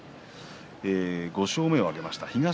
５勝目を挙げました。